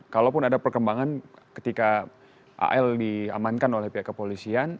kalaupun ada perkembangan ketika al diamankan oleh pihak kepolisian